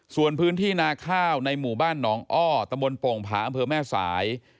ส่วนพื้นที่นาข้าวในหมู่บ้านหนองอ้อตะบนโป่งผาอำเภอแม่สาย